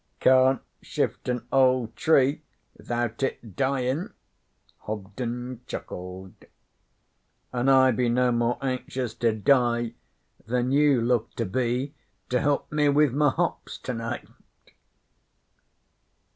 'Can't shift an old tree 'thout it dyin',' Hobden chuckled. 'An' I be no more anxious to die than you look to be to help me with my hops tonight.'